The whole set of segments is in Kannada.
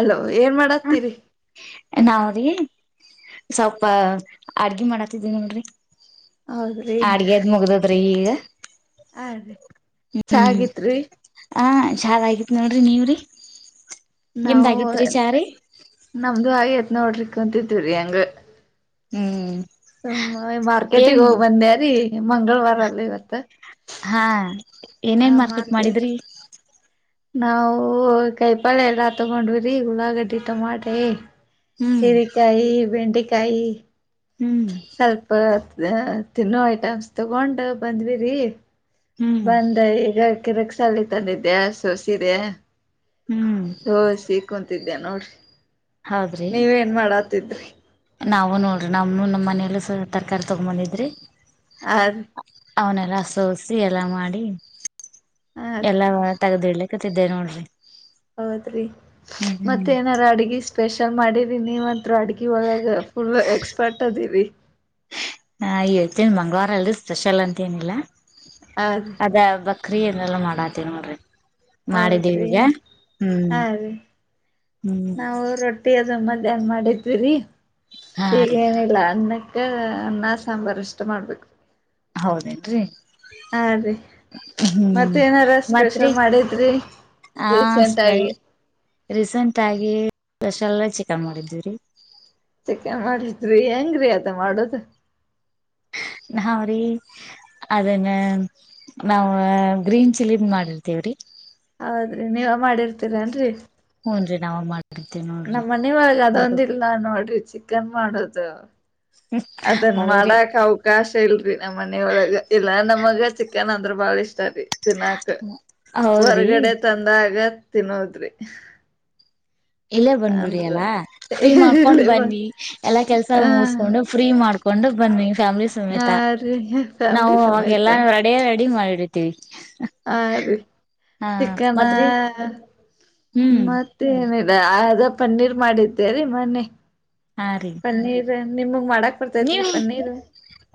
ಅಲೋ ಏನ್ ಮಾಡತ್ತೀರಿ. ನಾವ್ರೀ ಸ್ವಲ್ಪ ಅಡುಗೆ ಮಾಡತಿದೀ ನೋಡ್ರಿ. ಹೌದ್ರಿ ಅಡಿಗೆದು ಮುಗಿದಿದ್ರಿ ಈಗ. ಹ ರೀ ಚಾ ಆಗಿತ್ರಿ. ಚಾ ಆಗತ್ ನೋಡ್ರಿ ನೀವ್ರಿ. ನಿಮ್ದ್ ನಾವು ಆಗಿತ್ರಿ ಚಾರಿ ನಮ್ದು ಹಾಗಿತ್ತು. ನೋಡ್ರಿಕ್ ಕುಂತಿದ್ವಿರಿ ಹಂಗ ಹ್ಮ್ ಸುಮ್ಮ ಮಾರ್ಕೆಟಿಗೆ ಏನ್ ಹೋಗ್ ಬಂದ್ಯಾರಿೀ ಮಂಗಳವಾರಲ್ಲಿ ಇವತ್ತ. ಹಾ ಏನೇನ್ ಮಾರ್ಕೆಟ್ ಮಾಡಿದ್ರಿ. [inaudible] ನಾವು ಕೈ ಪಳೆ ಎಲ್ಲಾ ತಗೊಂಡ್ ವ್ರಿ ಉಳ್ಳಾಗಡ್ಡಿ ಟೊಮಾಟೆ. ಹ್ಮ್ ಹಿರಿಕಾಯಿ ಬೆಂಡೆಕಾಯಿ. ಹ್ಮ್ ಕಾಯಿ ಸ್ವಲ್ಪ ಅ ತಿನ್ನೋ ಐಟಮ್ಸ್ ತಗೊಂಡು ಬಂದ್ವಿರಿ. ಹ್ಮ್ ಬಂದ ಈಗ ಕಿರಕ್ಸ್ ಅಲ್ಲಿ ತಂದಿದ್ದೆ ಹಸ್ರು ಸೀರೆ. ಹ್ಮ್ ಸೊಸೆ ಕುಂತಿವ್ ಇದ ನೋಡ್ರಿ. ಹೌದ್ರಿ ನೀವೇನ್ ಮಾಡಾತಿದ್ರಿ. ನಾವು ನೋಡ್ರಿ ನಮ್ಮೂ ನಮ್ಮ್ ಮನೆಲ್ಲಿಸ ತರಕಾರಿ ತಗೊಂಬಂದಿದ್ರಿ. ಹಾ ರಿ ಅವ್ನೆಲ್ಲ ಸೋಸಿ ಎಲ್ಲ ಮಾಡಿ. ಹ ಎಲ್ಲ ಮಾತಾಡಿದ್ವಿ ಇಲ್ಲಿ. ಕೂತಿದ್ದೆ ನೋಡ್ರಿ ಹೌದ್ರಿ ಹ್ಮ್ ಹ್ಮ್ ಮತ್ತೆ ಏನಾರ ಅಡ್ಗಿ ಇಷ್ ಸ್ಪೆಷಲ್ ಮಾಡಿದ್ದೀನಿ ನೀವ ಹತ್ರ ಅಡ್ಗಿ ಒಳಗ ಫುಲ್ ಎಕ್ಸ್ಪರ್ಟ್ ಅದಿವ್ರೀ. ಹಾ ಈ ಹೇಳ್ತೇನಿ ಮಂಗ್ಳುವಾರ ಅಲ್ರೀ ಸ್ಪೆಷಲ್ ಅಂತ ಏನಿಲ್ಲಾ. ಹ ರೀ ಅದ ಬಕ್ರಿ ಎನ್ನಲ್ಲ ಮಾಡ್ ಅತು ನೋಡ್ರಿ ಮಾಡಿದ್ದೀವಿ ಹೌದ್ರಿ ಈಗ ಹ್ಮ್ ಹಾ ರೀ ಹ್ಮ್ ಅದ ಏನ್ ಮಾಡಿದ್ವು ರಿ. ಹಾ ರೀ ಈಗೇನಿಲ್ಲ ಅನ್ನಕ್ ಅನ್ನ ಸಾಂಬಾರ್ ಅಷ್ಟ ಮಾಡ್ಬೇಕು. ಹೌದೇನ್ರಿ ಹಾ ರೀ ಹ್ಮ್ ಮತ್ತ ಏನಾರ ಮತ್ರಿ ಸ್ಪೆಷಲ್ ಮಾಡಿದ್ರಿ ಆ ರೀಸೆಂಟ್ ಆಗಿ. ಸ್ಪಷಲ್ಲ ಚಿಕನ್ ಮಾಡಿಧ್ವಿರೀ. ಚಿಕ್ಕನ್ ಮಾಡಿದ್ರಿ ಹೆಂಗ್ರಿ. [unintelligible] ಮಾಡೋದು. ನಾವ್ರಿ ಅದನ್ನ ನಾವ್ ಗ್ರೀನ್ ಚಿಲ್ಲಿದ್ ಮಾಡಿರ್ತೇವ್ರಿ. ಹೌದ್ರಿ ನೀವು. ಮಾಡಿರ್ತೀರನ್ರಿ. ನವು ಮಾಡ್. ನಮ್ಮ್ ಮನಿ ಒಳಗ ಅದೊಂದ ಇಲ್ ನ ನೋಡ್ರಿ ಚಿಕನ್ ಮಾಡೋದ್. [unintelligible] ಅದನ್ ಹೌದ್ರಿ ಮಾಡಾಕ್ ಅವಕಾಶ ಇಲ್ರಿ ನಮ್ಮ್ ಮನೆಯೊಳಗ ಇಲ್ಲಾ ನಮಗ್. ಈಗ ಚಿಕನ್ ಅಂದ್ರೆ ಬಾಳ ಇಷ್ಟ ರೀ. ತಿನ್ನಾಕ ಹೌದ್ರಿ ಹೊರಗಡೆ ತಂದಾಗ. ತಿನ್ನೋದ್ರಿ. ಇಲ್ಲೇ ಬಂದ್ಬಿಡಿ ಅಂದ್ರ ಅಲ್ಲಾ ಫ್ರೀ ಮಾಡ್ಕೊಂಡ್ ಹೇಳಿ ಬ ಬನ್ನಿ ಎಲ್ಲಾ ಕೆಲ್ಸ ಹ ಮುಗಿಸಕೊಂಡು ಫ್ರೀ ಮಾಡ್ಕೊ ಕೊಂಡೋಗ್ ಬನ್ನಿ. ಫ್ಯಾಮಿಲಿ ಹಾ ಸಮೇತ ರೀ ನಾವು ಫ್ಯಾಮಿಲಿ ಸಮೇತ ಅವಾಗೆಲ್ಲ ರೆಡ ರೆಡಿ ಮಾಡಿ ಪ್ರೀತಿ. ಹ ರೀ ಚಿಕನ ಮತ್ರಿ ಹ್ಮ್ ಮತ್ತೇನಿಲ್ಲ್. ಅದ ಪನ್ನೀರ್ ಮಾಡಿದ್ದೇರಿ ಮೊನ್ನೆ. ಹಾ ರೀ ಪನ್ನೀರ್ ನಿಮಗ್ ಮಾಡಾಕ್ ನೀವ ಬರ್ತೈತ್ರಿ ಪನ್ನೀರ್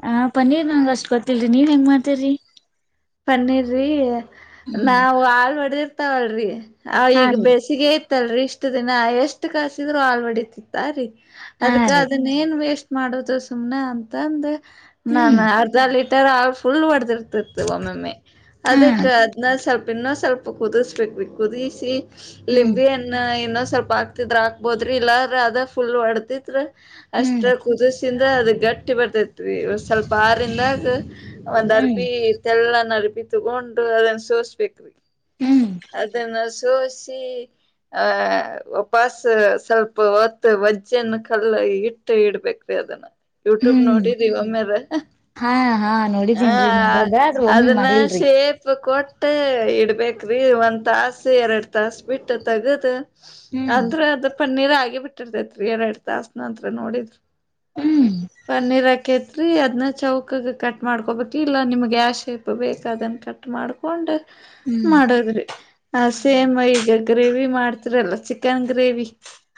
ಆ ಪನ್ನೀರ್ ನಂಗ ಅಷ್ಟ್ ಗೊತ್ತಿಲ್ರಿ ನೀವ ಹೆಂಗ್ ಮಾಡ್ ತಿರಿ. ಪನ್ನಿರ್ ರಿ. ನಾವು ಆಲ್ವಡೀರ್. ತಗಳ್ರಿ. ಹ ಹಾ ಈಗ ರೀ ಬೇಸಿಗೆಇತ್ತಲ್ರಿ ಇಷ್ಟ. ಇಷ್ಟುದಿನ ಎಷ್ಟು ಕಾಸಿದ್ರು ಹಲ್ವಾಡಿತಿತ್ತ ರೀ. ಹಾ ಅದಕ್ಕ ರೀ ಅದನೇನ್ ವೇಷ್ಟ. ಮಾಡೋದು ಸುಮ್ನೆ ಅಂತ ಅಂದ. ಹ್ಮ್ ನಾನಾ ಅರ್ಧ ಲೀ ಟರ್ ಹಾಲ್ ಫುಲ್ ಒಡ್ಡರ್. ತ ಒಮ್ಮೊಮ್ಮೆ ಹಾ ಅದಕ್ಕೆ ಅದನ್ನ ಸ್ವಲ್ಪ. ಇನ್ನ ಸ್ವಲ್ಪ ಕುದಿಸ್ಬೇಕ್ ರಿ ಕುದಿಸಿ. ಹ್ಮ್ ಲಿಂಬಿಯ್ಣ ಇನ್ನ. ಸ್ವಲ್ಪ ಆಕ್ತಿದ್ರ ಆಕ್ಬೋದ್ರಿ ಇಲ್ಲಾ ಅದ ಫುಲ್ ಹೊಡದಿದ್ದರೆ. ಹ್ಮ್ ಅಷ್ಟ ಕುದಸಿಂದ್ರ ಅದು ಗಟ್ಟಿ ಗಟ್ಟಿ ಬರ್ತೈತ್ರಿ ಸ್ವಲ್ಪ ಆರಿಂದಾಗ. ಒಂದ್ ಹ್ಮ್ ಅರ್ಪಿ. ನಡಪಿ ತಗೊಂಡು ಅದನ್ನ ಸೋಸ್ಬೇಕ್ರೀ ಹ್ಮ್ ಅದನ್ನ ಸೋಸಿ ಆಹ ಉಪಾಸ ಸ್ವಲ್ಪ ಹೊತ್ತು ವಜ್ಜನ್ ಕಲ್ಲ ಇಟ್ಟು ಇಡ್ಬೇಕ್ರೀ ಅದನ್ನ. ಯೂಟ್ಯೂಬ್ ಹ್ಮ್ ನೋಡಿರಿ ಒಮ್ಮ್ಯಾರ ಹಾ ಹಾ ಹ. ನೋಡಿದೀನ್ರಿ ಮಾಡೋದ ಆದ್ರ ಒಮ್ಮಿ ಅದನ್ನ ಮಾಡಿಲ್ರಿ ಶೇಪ್ ಕೊಟ್ಟ. ಬೇಕ್ರಿ ಒಂದ್ ತಾಸ ಎರಡು ತಾಸ ಬಿಟ್ಟು ತಗದು. ಹ್ಮ್ ಆದ್ರೆ ಅದ ಪನ್ನೀರ್ ಆಗಿ ಬಿಟ್ಟ. ಇಟ್ಟಿರ್ತೈತ್ರಿ ಎರಡು ತಾಸನ ಅಂತ್ರ ನೋಡಿದ್ರ. ಹ್ಮ್ ಪನ್ನಿರಾಕ್ಕೆತಿ. ರೀ ಅದನ್ನ ಚೌಕಾಗ ಕಟ್ ಮಾಡ್ಕೊಬೇಕ ಇಲ್ಲ ನಿಮ್ಗೆ ಯಾಶ್ ಶೇಪ್ ಬೇಕು ಅದನ್ನು ಕಟ್ ಮಾಡ್ಕೊಂಡ. ಹ್ಮ್ ಮಾಡದ್ರಿ ಆ ಸೇಮ ಈಗ. ಗ್ರೇವಿ ಮಾಡ್ತಿರಲ್ಲ ಚಿಕನ್ ಗ್ರೇವಿ.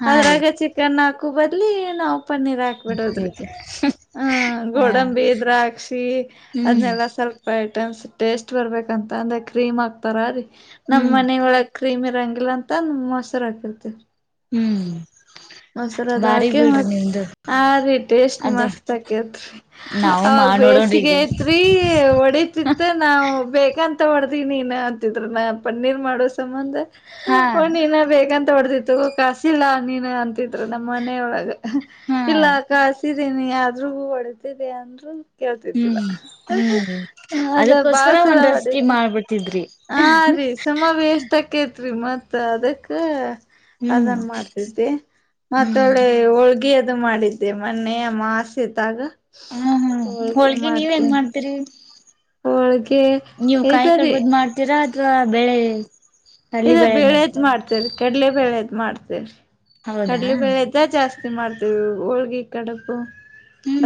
ಹಾ ರೀ ಅದ್ರಾಗ ಚಿಕನ್ ಹಾಕ್. ಹು ಬದಲಿ ಏ ನಾಕ್. ಪನ್ನೀರ್ ಹಾಕ್ಬಿಡದ್ರಿ ಹ ಹಾ ಗೋಡಂಬಿ ದ್ರಾಕ್ಸಿ ಹ್ಮ್ ಅದನ್ನೆಲ್ಲ ಸ್ವಲ್ಪ. ಐಟಮ್ಸ್ ಟೇಸ್ಟ್ ಬರ್ಬೇಕಂತ ಅಂದೆ ಕ್ರೀಮ್ ಹಾಕ್ತಾರ ರೀ. ನಮ್ಮ್ ಹ್ಮ್ ಮನೆ ಒಳ ಕ್ರೀಮ್ ರಂಗಿಲ್ಲ ಅಂತ ಮೊಸರು ಹಾಕಿರ್ತಿರಿ. ಹ್ಮ್ ಮೊಸರದ ಬಾರಿ ಹಾಕೆ ಬಿಡ್ರಿ ಮಟ್ಟ ನಿಮ್ದು ಆ ರಿ ಟೇಸ್ಟ್ ಅದು ಮಸ್ತ್ ಆಕೇತ್ರಿ ನಾವು ಅವಾಗ ಮಾಡ ನೋಡೋಣ್ರಿ ಬೇಸಿಗೆ ಈಗ ಐತ್ರಿ ಹೊಡತಿತ್ತ ನಾವು ಬೇಕ ತೊಡ್ದನಿ ಇನ ಅಂತಿದ್ರನ ಪನ್ನೀರ್ ಮಾಡೋ ಸಂಬಂಧ. ಹ ಹೋ ಹಾ ನೀನ್ನ ಬೇಕಂ ತಡ್ದಿತ್ತುು ಕಾಸಿಲ್ಲ ನೀನು ಅಂತ. ದ್ರ ನಮ್ಮ್ ಮನೆಯೊಳಗ. ಹ ಹಾ ಇಲ್ಲಖಾಸಿ. ನೀ ಯಾದ್ರೂಗೂ ಹೊಡದಿದೆ ಅಂದ್ರು. ಕೇಳ್ತಿದ್ದೀಲ್ಲ ಹ್ಮ್ ಹ್ಮ್ ಅದ ಬಾಳ ಅದಕ್ಕೋಸ್ಕರ ಸಲ ಒಂದ್ ರೆಸಿಪಿ ಮಾಡತೆ ಮಾಡ್ಬಿಟ್ಟಿದ್ರಿ ಹ ರೀ ಸುಮಾ ವೇಷ್ಟಾಕ ರಿ ಮತ್ತ ಅದಕ್ಕ. ಹ್ಮ್ ಅದನ್ ಮಾಡ್ತಿದ್ದೆ. ಮತ್ತ ಹ್ಮ್ ಒಳ್ಳೆ ಒಳೆ. ತಗಿಯ ಅದು ಮಾಡಿದ್ದೆ ಮನ್ನೆ ಯಮಾಸೆದಾಗ. ಹಾ ಹ್ಮ ಹೋಳ್ಗಿ ನೀವೇನ್ ಮಾಡ್ತಿರಿ. ಹೋಳಿಗೆ ಇದ್ದಾರೆ. ತ್ಲಾ ಬೇಳೆ. ಇದ ಬೇಳೆದ ಮಾಡ್ತೇರಿ. ಕಡಲೆಬೇಳೆದು ಮಾಡ್ತೇ ಹೌದಾ ಕಡಲಿ ಬೇಳೆದ ಜಾಸ್ತಿ. ಸ್ತಿ ಮಾಡ್ತೀವಿ ಹೋಳ್ಗಿ ಕಡಪು.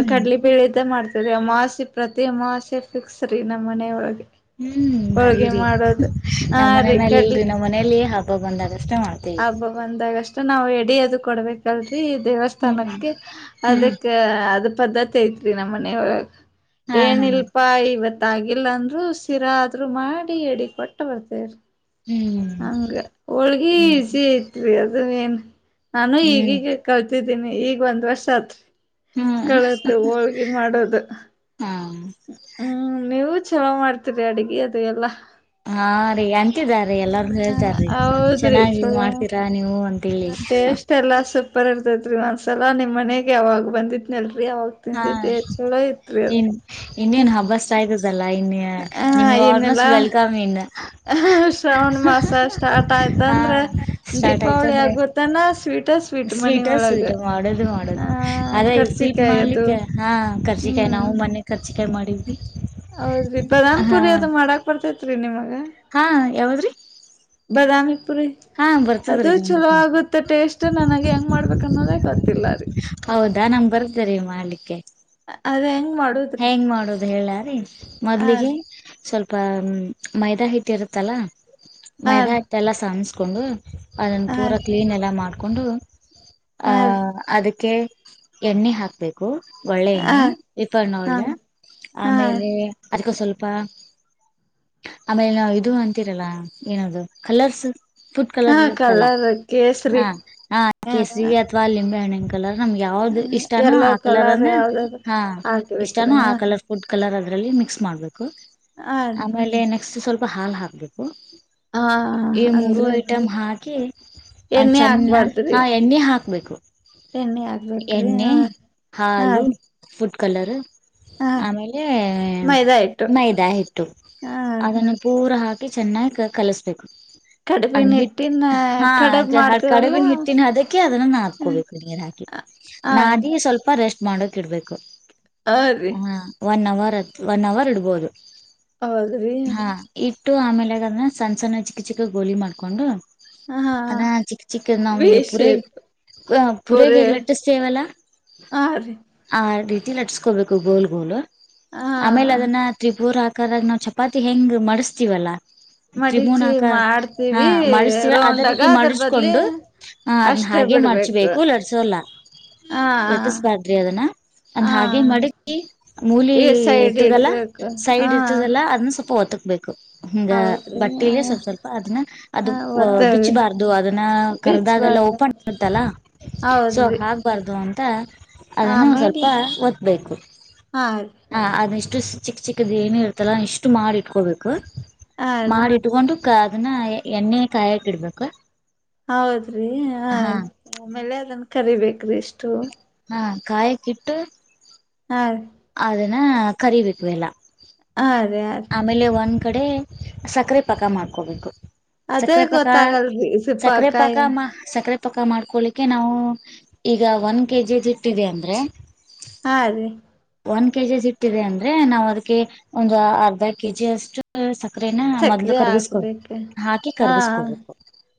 ಆ ಕಡ್ಲಿ ಪೀಳ್ದ ಮಾಡ್ತ. [unintelligible] ಆ ಮಾಸಿ ಪ್ರತಿ ಅಮಾಸೆ ಫಿಕ್ಸ್ ರೀ ನಮ್ಮ್ ಮನೆ ಒಳಗೆ. ಹ್ಮ್ ಮರಿರಿ ಹಾ ನಮ್ ರೀ ಮನೇನಲ್ಲಿ ಕಡ್ಲಿ ಇಲ್ರಿ ನಮ್. ಮನೆಯಲ್ಲಿ ಹಬ್ಬ ಬಂದಾಗ. ಹಬ್ಬ ಬಂದಾಗ ಅಷ್ಟ. ನಾ ಎಡಿ ಅದು ಕೊಡ್ಬೇಕಲ್. ರಿ ಹ್ಮ್ ದೇವಸ್ಥಾನಕ್ಕೆ ಹ್ಮ್ ಅದಕ್ಕೆ ಅದ. ಪದ್ಧತಿ ಐತ್ರಿ ನಮ್ಮ ಮನೆ ಒಳಗ. ಹಾ ಹಾ ಏನಿಲ್ಪಾ ಇವತ್. ತಾಗಿಲ್ಲ ಅಂದ್ರು ಸಿರ ಆದ್ರು ಮಾಡಿ ಎಡಿ ಕೊಟ್ಟ ಬರ್ತೇರಿ. ಹ್ಮ್ ಹಂಗ ಹೋಳ್ಗಿ ಹ್ಮ್ ಇಸಿ ಐತ್ರಿ ಅದ. ಅದೇನು ನಾನು ಹ್ಮ್ ಈಗಗ ಕಲ್ತಿದ್ದ. ನಿ ಈಗ ಒಂದ್ ವರ್ಷ ಆತ್. ಹ್ಮ್ ಕಳತು ಹೋಳ್ಗಿ ಮಾಡೋದು. ಹ್ಮ್ [inaudible] ನೀವು ಚಲೋ ಮಾಡ್ತೀರಿ ಅಡಗೆ ಅದು ಎಲ್ಲ. ಹಾ ರೀ ಅಂತಿದಾರೀ ಎಲ್ಲಾರ ಹೇಳ್ತಾರೀ ಹ ಹೌದ್ರಿ ಚೆನ್ನಾಗಿ ಚಲೋ ಮಾಡ್ತೀರಾ ನೀವು ಅಂತ ಹೇಳಿ. ಪರ್ ಇರ್ತೈತ್ ರೀ ಒಂದ್ಸಲ ನಿಮ್ಮ್ ಮನೆಗೆ ಯಾವಾಗ ಬಂದಿತ್ನಲ್ ರಿ. ಎ ಹಾ ಆ್ತತಿಂದಿದ್ನ್ದೇ ಚಲೋ ಇತ್ರಿ ಅದು. ಇನ್ನೇನ್ ಹಬ್ಬ [unintelligible] [unintelligible] ಹ ಆಲ್ ಏನೆಲ್ಲ ಮೋಸ್ಟ್ ವೆಲ್ ಕಮ್ ಇನ್ನ ಶ್ರಾವಣ ಮಾಸ ಸ್ಟಾರ್ಟ್ ಹ ಹ ಆಯ್ತಂದ್ರ ಸ್ಟಾರ್ಟ್ ದೀಪಾವಳಿ ಅಯ್ತಂದ್ರೆ ಆಗೋತನ ಸ್ವೀಟ ಮನಿ ಸ್ವೀಟ್ ಸ್ವೀಟ್ ಒಳಗ ಮಾಡದು ಆ ಮಾಡದು ಅದು ಇಲ್ಲಿ ಸ್ವೀಟ್ ಕರ್ಚಿಕಾಯಿ ಮಾಡ್ಲಿಕ್. ಅದು ಹಾ ಕರ್ಚಿ ಕಾಯಿ ನವ್ ಹ್ಮ್ ಹ ಮನ್ನೆ ಕರ್ಚ [unintelligible] ಮಾಡಿದ್ವಿ. ಹೌದ್ರಿ ಹಾ ಬಾದಾಮ್ಪುರಿ ಅದ್ ಮಾಡಕ್ ಬರ್ತೇತಿ. ತ್ರಿ ನಿಮಗ. ಹಾ ಯಾವದ್ರಿ. ಬದಾಮಿ. ಹಾ ಅದು ಬರ್ತದ್ರಿ ಚಲೋ ನಮ್ಗ ಆಗುತ್ತ ಟೇಸ್ಟ್ ನನಗೆ ಹೆಂಗ್ ಮಾಡ್ಬೇಕ ಅನ್ನೋದೇ ಗೊತ್ತಿಲ್ಲರಿ ಹೌದಾ ನಮ್ಗ್ ಬರ್ತರಿ ಮಾಡ್ಲಿಕ್ಕೆ ಅಧೆಂಗ್. ಹೆಂಗ್ ಮಾಡೋದ್ ಹೇಳ್ಲಾರಿ ಆ ಮೊದ್ಲಿಗೆ ಸ್ವಲ್ಪ. ಸಪ ಮೈದಾ ಹಿಟ್ಟ ಇರುತ್ತಲ್ಲಾ. ಆ ಮೈದಾಹಿಟ್ ಎಲ್ಲ ಸಾಂಸ್. ಕೊಂಡು. ಅದನ್ನ ಆ ಪೂರ ಕ್ಲೀನ್ ಎಲ್ಲ ಮಾಡ ಕೊಂಡು ಹ ಆ ಅದಕ್ಕೆ. ಎಣ್ಣಿ ಹಾಕ್ಬೇಕು. ಹ ಒಳ್ಳೇನಿ. ಹ ಪ್ಪ್ಣಳ್ಳ ಹ ಆಮೇಲೆ. ಅದಕ್ಕ ಸ್ವಲ್ಪ ಆಮೇಲೆ ನಾ ಇದು ಅಂತೀರಲ್ಲ ಏನದು ಕಲರ್ಸ್. ಫುಡ್ ಹ ಕಲರ್ ಇರುತ್ತಲ್ಲ ಕಲರ್ ಕೇಸರಿ ಹ ಹ ಕೇಸರಿಗೆ ಅಥವಾ ಲಿಂಬೆ ಹಣ್ಣೆ. ಕಲ ನಮ್ಗೆ ಯಾವ್ದ ಇಷ್ಟಾನೂ ಎಲ್ಲೋ ಹಾ ಕಲರ್ ಕಲರನ್ನೆ ಯಾವ್ದಾದ್ರು ಹಾ. ಇಷ್ಟಾನು ಹಾಕ್ಬೇಕ್ರಿ ಹ ಆ ಕಲರ್ ಫುಡ್ ಕಲರ್ ಲರ್ ಅದ್ರಲ್ಲಿ ಮಿಕ್ಸ್ ಮಾಡ್ಬೇಕು. ಹ ಕು ರೀ ಆಮೇಲೆ ನೆಕ್ಸ್ಟ್ ಸ್ವಲ್ಪ್ ಲ್ಪ ಹಾಲ್ ಹಾಕ್ಬೇಕು. ಹ ಈ ಮೂರು ಅಂದ್ರೆ ಐಟಮ್ ಹಾಕ್ ಕ್ಕೆ ಅ ಎಣ್ಣೆ ಚನ್ನ ಹಾಕ್ಬಾರ್ದ್ರಿ ಹಾ ಎಣ್ಣೆ ಹಾಕ್ ಬೇಕು. ಎಣ್ಣೆ ಆಗ್ಬೇಕ್ರಿ ಹ ಹ. ಹಾಲು ಫುಡ್ ಕಲರ್. ಹ ಆಮೇಲೆ ಮೈದಾ ಹಿಟ್ಟು ಮೈದಾ ಹಿಟ್ಟು ಹ ಅದನ್ನ ಪೂರ ಹಾಕ್ ಕಿ ಚೆನ್ನಾಗಿ ಕಲಸ್ಬೇಕು. ಅದ್ ಕಡಬಿನ ಹಿಟ್ಟ್ ಹಿಟ್ಟಿನ ಕಡಬ್ ಹಾ ಮಾಡ್ತೇವಲ್ಲ ಕಡಬಿನ ಹಿಟ್ಟನ ಹದಕ್ಕೆ ಅದನ್ನ ಹ ನಾದಕೋಬೇಕು ನೀರು ಹಾಕಿ ನಾದಿ ಸ್ವಲ್ಪ ರೆಸ್ಟ್ ಮಾಡೋಕ್ ಇಡ್ಬೇಕು. ಹ ರೀ ಹಾ ಒನ್ ಅವರ್. ತ್ ಒನ್ನವರ್ ಇಡ್ಬೋದು. ಹೌದ್ರಿ. ಟ್ಟು ಆಮೇಲೆದನ್ನ ಸಣ್ಣ ಸಣ್ಣ ಚಿಕ್ಕ ಚಿಕ್ಕ ಗೋಲಿ ಮಾಡ್ಕೊಂಡು ಹ ಅದ ಚಿಕ್ಕ ಚಿಕ್ಕನ್ ನಾವು ವಿ ಈಗ ಪೂರಿ ಶೇಪ್ ಪೂರಿ ಪೂರಿಗೀಗ್ಲಟ್ಸ್ತೀವಲ್ಲ ಹ ರೀ ಆ [inaudible] ಕೋಬೇಕು ಗೋಲ್ಗೋಲು. ಆಮೇಲೆ ಹ ಅದನ್ನ ತ್ರಿಪುರ ಹ ಕರಾಗ ನಾವು ಚಪಾತಿ ಹೆಂಗ್ ಮಾಡಸ್ತೀವಲ್ಲಾ ಮಡಿಚಿ ತ್ರಿಮೂನಾಕಾರ ಹಾ ಮಾಡ್ತೀವಿ ಮಡ್ಸ್ತೀವಿ ಅದ ರೌಂಡಾಗ ರೀತಿ ಅದ್ರ ಬದ್ಲಿ ಮಡಚ್ಕೊಂಡು ಹ ಅದನ್ನ ಅಷ್ಟೇ ಹಾಗೆ ಬಿಡ್ಬೇಕು ಮಡಚ್ಬೇಕು ಲಟ್ಸೋಲ್ಲ ಹಾ ಲಟ್ಟಿಸಬಾರ್ದಿ ಅದನ್ನ ಅದ್ ಹಾ ಹಾಗೆ ಈಗ ಮಡಕಿ ಮೂಲಿ ಈ ಸೈಡ್ ಇರ್ತದಲ್ಲ ಇಡ್ಬೇಕು ಹಾ ಸೈಡ್ ಇರ್ತದಲ್ಲಾ ಅದನ್ನ ಸ್ವಲ್ಪ ಒತ್ ಹಿಂಗ ಹೌದ್ರಿ ಹ ಬಟ್ಟೇಲಿ ಸ್ವಲ್ಪ್ ಸ್ವಲ್ಪ ಅದನ್ನ ಅದು ಹಾ ಒತ್ತೇವ್ರಿ ಬಿಚ್ಚಬಾರ್ದು ಅದನ್ನ ಕರ್ದಾಗೆಲ್ಲ ಬಿಚ್ಬಾರ್ದ ಓಪನ್ ಮಾಡತ್ತಲ್ಲ ಸೊ ಹೌದ್ರಿ ಹಾಗ್ಬಾರ್ದು ಅ ತ್ತ ಅದನ್ನ ಒಂದ್ ಸ್ವಲ್ಪ ಆಮೇಲೆ ಒತ್ತ್ ಬೇಕು ಹಾ ರೀ ಹ ಅದಿಷ್ಟ್ ಇಷ್ ಚಿಕ್ ಚಿಕ್ಕುದು ಏನ್ ಇರುತ್ತಲ್ಲ ಇಷ್ಟು ಮಾಡ್ ಇಟ್ಕೋಬೇಕು. ಹಾ ರೀ ಮಾಡ್ ಇಟ್ಟುಕೊಂಡು ಕ್ಕ ಅದನ್ನ ಎಣ್ಣೆ ಕಾಯಕ ಇಡ್ಬೇಕು. ಹೌದ್ರಿ ಆ ಹಾ ಆಮೇಲೆ ಅದನ್. ಕರಿಬೇಕ್. ಗ್ರೀಷ್ಟು. ಕಾಯಕ್ಕಿಟ್ಟು. ಹಾ ಅದನ್ನ ಕರಿಬೇಕಕ್ವೆಲ್ಲ. ಹ ಆಮೇಲೆ ಒಂದ್. ಕಡೆ ಸಕ್ಕರೆ ಪಾಕ್ಕ ಮಾಡ್ಕೋಬೇಕು. ಅದೇ ಸಕ್ಕರೆ ಪಾಕ ಗೊತ್ತಾಗಲ್ರಿ ಸಿುಪ್ಪಕಾಯಿ. ಪಕ್ಕ ಮಾಡ್ಕೊಳಿಕ್ಕೆ ನಾವು ಈಗ ಒಂದ್ ಕೆಜಿ ಇಟ್ಟಿವವಿ ಅಂದ್ರೆ. ಹಾ ರೀ ಒನ್ ಕೆಜಿಸ್ ಇಟ್ಟಿದೆ ಅಂದ್ರೆ ನಾವು ಅದಕ್ಕೆ ಒಂದು ಆರ್. ಅ ಕೆ ಜಿ ಅಷ್ಟು ಸಾಕ್. ಸಕ್ರೆನ ಮೊದ್ಲು ಸಕ್ರೆ ಕರ್ಗಿಸಕೊ ಹಾಕ್ಬೇಕ ಹಾಕಿ ಹಾ ಕರ್ಗಿಸ್ಕೋಬೇಕು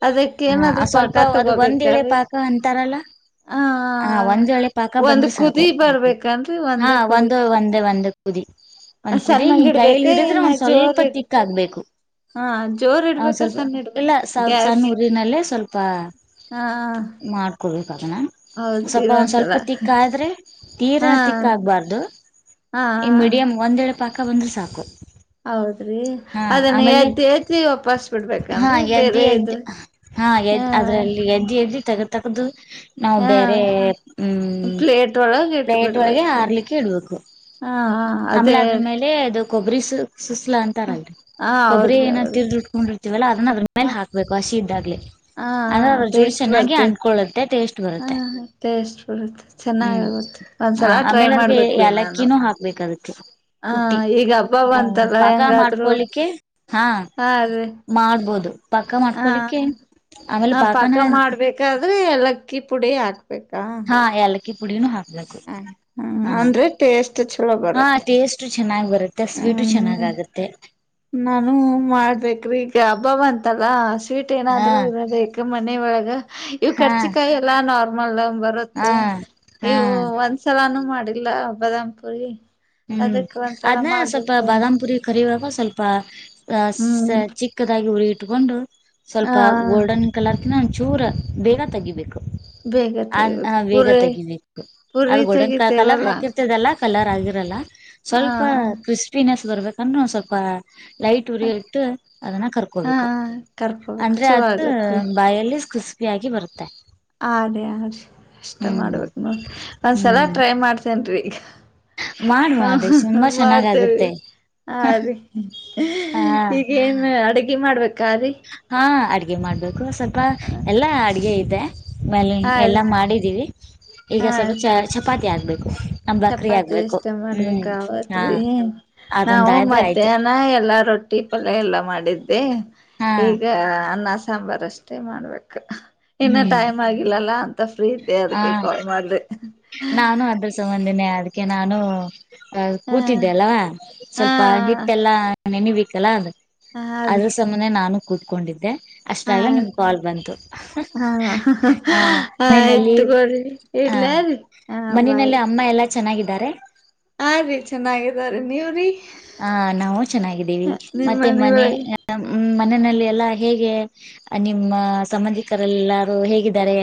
ಅದಕ್ಕ ಹ ಏನಾದ್ರು ಪಾಕ ಸ್ವಲ್ಪ ಅದು ಒಂದ್ ಎಳೆ ತಗೋಬೇಕ್ರೀ ಪಾಕ ಅಂತಾರಲ್ಲ ಆ ಹ ಒಂದ ಎಳೆ ಪಾಕ ಒಂದ್ ಬಂದ್ರೆ ಸಾಕು ಕುದಿ ಬರ್ಬೇಕನ್ರಿ ಹಾ ಒಂದು ಒಂದೇ ಒಂದ್. ಕುದಿ ಹಾ ಸನಾಗ್ ಇಡ್ಬೇಕ್. ಹಡಿದ್ರೆ ಒಂದ್ ಸ್ವಲ್ಪ ತಿಕ್ಕ ಆಗಬೇಕು ಹಾ ಜೋರ್ ಅ ಇಡ್ಬೇಕ ಸ್ವಲ್ಪ ಸಣ್ಣ ಇಡ್ಬೇಕ ಇಲ್ಲ ಸೋಪ್ ಗ್ಯಾಸ್ ಸಣ್ಣ ಊರಿನಲ್ಲೇ ಸ್ವಲ್ಪ ಹಾ ಮಾಡ್ಕೊಬೇಕು. ಓಕೆ ನಾ ಹೌದ್ರಿ ಸ್ವಲ್ಪ ಒಂದ್ ಒಂದ್ಸಲ ಸ್ವಲ್ಪ ತಿಕ್ ಆದ್ರೆ ತೀರಾ ಹಾ ತಿಕ್ ಆಗಬಾರ್ದು ಹಾ ಈ ಮೀಡಿಯಂ ಒಂದ ಎಲ್. ಪಾಕ ಬಂದ್ರರೆ ಸಾಕು. ಹೌದ್ರಿ ಹಾ ಅದನ್ನ ಆಮೇಲೆ ಎದಿ ಎದಿ ವಾಪಸ್ ಹಾ ಬಿಡ್ಬೇಕನ್ರಿ ಎದ್ದಿ ಬೇರೆ ಇದ್ರ ಎದ್ದಿ ಹಾ ಹ. ಎದ್ ಅದ್ರಲ್ಲಿ ಎದ್ದಿ ಎದ್ದಿ ತಗದ್ ತಗದು. ನಾವು ಬೇರೆ ಹ್ಮ್ ಪ್ಲೇಟ್ ಒಳಗ ಪ್ಲೇಟ್ ಒಳಗೆ ಇಟ್ಬಿಡ್ಬೇಕು ಆರ್ಲಿಕ್ಕೆ ಇಡ್ಬೇಕು. ಹಾ ಆಮೇಲೆ ಅದೇ ಅದ್ರ ಮೇಲೆ ಅದು. ಕೊಬ್ರಿ ಸು. ಸುಸ್ಲಾ ಅಂತಾರಲ್ರಿ ಹಾ ಕೊಬ್ಬರಿ ಹೌದ್ರಿ ಏನ್ ಹೌದ್ರಿ ತಿರ್ ಉಟ್ಕೊಂಡ್. ಜಗನ [unintelligible] ಅದ್ರ ಹ ಮೇಲೆ ಹಾಕ್ಬೇಕು ಹಸಿ ಇದಾಗ್ಲಿ ಹ ಅಂದ್ರೆ ಅದ್ರ ಜೋಡಿ ಟೇಸ್ಟ್ ಚೆನ್ನಾಗಿ ಬರ್ತೇತಿ ಅಂದಕೊಳ್ಳುತ್ತೆ ಟೇಸ್ಟ್ ಬರುತ್ತೆ ಹ ಟೇಸ್ಟ್ ಬರುತ್ತೆ ಹ್ಮ್ ಚೆನ್ನಾಗಾಗುತ್ತೆ ಒಂದ್ಸಲ ಟ್ರೈ ಆಮೇಲೆ ಅದಕೆ ಮಾಡ್ಬೇಕ್ರಿ ನಾನು ಯಲಕ್ಕಿನೂ ಹಾಕ್ಬೇಕಾಗತ್. ಹ ಕುಟ್ಟಿ ಈಗ ಹಬ್ಬ ನಾವು ಬಂತಲ್ಲ ಪಾಕ ಹೆಂಗಾದ್ರು ಮಾಡ್ಕೊಳ್ಳಿಕ್ಕೆ ಹಾ ಮಾಡ್ಬೋದು. ಪಾಕ ಹ ಮಾಡ್ಕೊಳಿಕ್ಕೆ ಆಮೇಲೆ ಬಾಕಾನೆ ಆದ್ರೆ ಯಾಲಕ್ಕಿ ಪುಡಿ ಹಾಕ್ ಬೇಕಾ. ಈ ಏಲಕ್ಕಿ ಕುುಡಿು ಹಾ ಹಾಕ್ಬೇಕು ಹ್ಮ ಹಾ ಹ್ಮ ಅಂದ್ರೆ ಟೇಸ್ಟ್ ಚೊಲೋ ಬರುತ್ತ. ಚೆನ್ನಾಗಿ [unintelligible] ಸ್ವೀಟು ಚೆನಾಗಾಗತ್ತೆ. ನಾನು ಮಾಡಬೇಕ್ರೀ. ಗ ಹಬ್ಬಾ ಬಂತಲ್ಲ. ಸ್ವೀಟ್ ಹಾ ಏನಾದ್ರು ಇರಬೇಕ ಮನೆೆಯ ಒಳಗ್ ಇವು ಹಾ ಕರ್ಚಿಕಾಯಿ ಎಲ್ಲಾ ನಾರ್ಮ್ ಮಲ್ಲ. ಬರುತ್ತೆ ಹಾ ಇವು ಹಾ ಒಂದ್ಸಲಾನು ಮಾಡಿಲ್ಲ ಬದಾಮ್ ಪುರಿ. ಹ್ಮ್ ಅದಕ್ ಒಂದ್ಸಲ ಅದ್ನ ಸ್ವಲ್ಪ ಮಾಡ್ಬೇಕು ಬಾದಾಮ್ ಪುರಿ ಕರಿವಾ ಸ್ವಲ್ಪ. ಅ ಸ್ಸ ಹ್ಮ್ ಚಿಕ್ಕದಾಗಿ ಉರಿ ತುಗೊಂಡು ಹ ಸ್ವಲ್ಪ ಗೋಲ್ಡನ್ ಕಲರ್ ನಾ ಒಂದ್ ಚೂರ್ ಬೇಗ ತೆಗಿಬೇಕು. ಬೇಗ ಅ ತೆಗಿಬೇಕು ಬೇಗ ಪುರಿ ತೆಗಿಬೇಕು ಅದು ಪುರಿ ಗೋಲ್ಡನ್ ಕಲರ್ ತೆಗಿತೇವಲ್ಲ ಹಾಕಿರ್ತದಲ್ಲ ಕಲರ್ ಆಗಿರ್ ರಲ್ಲ. ಹ ಸ್ವಲ್ಪ ಕ್ರಿಸ್ಪಿನೆಸ್ ಬರ್ಬೇಕಂದ್ರೆ ಸ್ವಲ್ಪ ಲೈಟ್ ಉರಿಯಿಟ್ಟು ಅದನ್ನ ಹ ಕರ್ಕೋಬೇಕು ಕರ್ಕೋಬೇಕು ಅಂದ್ರೆ ಚಲೋ ಅದ ಆಗತ್ರಿ ಬಾಯಲ್ಲಿ ಕ್ರಿಸ್ ಪ್ಯಾಗಿ ಬರುತ್ತೆ. ಹಾ ರಿ ಹಾ ರಿ ಅಷ್ಟ ಹ್ಮ್ ಮಾಡ್ಬೇಕ್ ಒಂದ್ಸಲ ಹ್ಮ್ ಟ್ರೈ ಮಾಡ್ತೇನ್ರಿ. ಮಾಡ್ [inaudible] ಹ ಮಾಡ್ರಿ ಹ ತುಂಬಾ ಮಾಡ್ತೇವೆ ಚೆನ್ನಾಗಾಗುತ್ತೆ ಆ ರೀ ಹಿ ಹಾ ಈಗೇನ್ ಅಡಿಗೆ ಮಾಡ್ಬೇ ಹಾ ಅಡ್ [unintelligible] ಮಾಡ್ಬೇಕು. ಸ್ವಲ್ಪ ಎಲ್ಲಾ ಅಡಿಗೆ. [unintelligible] ಒಲೆ ಹಾ ಎಲ್ಲ ರೀ ಮಾಡಿದೀವಿ ಈಗ ಹಾ ಸ್ವಲ್ಪ ಚ ಚಪಾ ಆಗಬೇಕು. ಚಪಾತಿ ಎಷ್ಟ ಮಾಡಬೇಕ ಹಾ ರಾತ್ರಿ ಅದೊಂದ ನಾವು ಆದ್ರೆ ಆಯ್ತು ಮಧ್ಯಾಹ್ನ ಎಲ್ಲಾ ರೊಟ್ಟಿ ಪಲ್ಯ ಎಲ್ಲಾ ಮಾಡಿದ್. ಹಾ ಈಗ ಅನ್ನ ಸಾ ಸಾಂಬಾರಷ್ಟೇ ಮಾಡ್ಬೇಕು. ಇನ್ನ ಹ್ಮ್ ಟೈಮ್ ಆಗಿಲ್ಲಲ್ಲ. ಮತ್ತ ಫ್ರೀ ಇದ್ದೆ ಹ ಅದಕ್ಕೆ ಕಾಲ್ ಮಾಡ್ದೆ. ಕ್ಕೆ ನಾನು. ಅ ಹ ಕೂತಿದ್ದೆ ಅಲ್ಲ ಸ್ವಲ್ಪ ಹಾ ಹಿಟ್ಟೆಲ್ಲಾ. ನೆನಿಬೇಕಲಾ ಅದು. ಹ ಅದ್ರ ಸಮನೆ ನಾನು. ಕುೂತ್ಕೊಂಡಿದ್ದೆ. ಅಷ್ಟರಲ್ಲ ಹ ನಿಮ ಕಾಲ್ ಬಂತು. ತ್ತೋರಿ ಹ ಇಡ್ಲಾ ರಿ ಹ ಬಾಯ್. ಮನೆಯಲ್ಲಿ ಅಮ್ಮ ಎಲ್ಲಾ ಚೆನ್ನಾಗಿದ್ದಾರೆ. ಆ ರೀ ಚೆನ್ನಾಗಿದಾರೆ ನೀವ್ರಿ. ಹ ನಾವು ಚೆನ್ನಾಗಿದ್ದೀವಿ ನಿಮ್ಮ ಮತ್ತೆ ಮನಿ ಮನೆ ಒಳಗ ಮನೆನಲ್ಲಿ. ಎಲ್ಲ ಹೇಗೆ ನಿಮ್ಮ ಸಂಬಂಧಿಕರೆಲ್ಲರು ಹೇಗಿದರೆ.